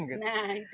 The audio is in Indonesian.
nah itu dia